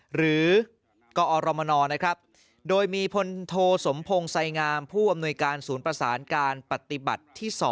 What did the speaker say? หรือกอรมนนะครับโดยมีพลโทสมพงศ์ไสงามผู้อำนวยการศูนย์ประสานการปฏิบัติที่๒